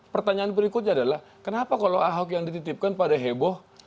pertanyaan berikutnya adalah kenapa kalau ahok yang dititipkan pada heboh